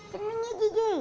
tenang aja ji